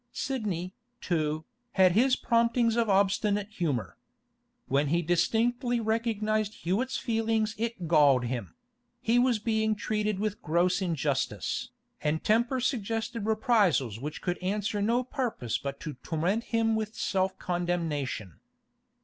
Sidney, too, had his promptings of obstinate humour. When he distinctly recognised Hewett's feeling it galled him; he was being treated with gross injustice, and temper suggested reprisals which could answer no purpose but to torment him with self condemnation.